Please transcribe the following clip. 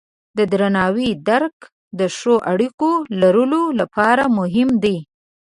د درناوي درک د ښو اړیکو لرلو لپاره مهم دی.